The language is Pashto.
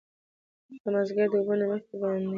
د مازديګر د اوبو نه مخکې به نايله